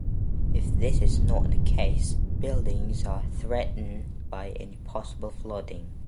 If this is not the case, buildings are threatened by any possible flooding.